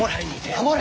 守れ！